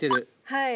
はい！